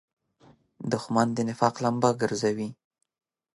دښمن د نفاق لمبه ګرځوي